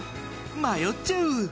迷っちゃう。